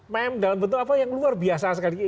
mem dalam bentuk apa yang luar biasa